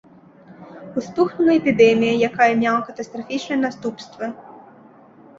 Успыхнула эпідэмія, якая мела катастрафічныя наступствы.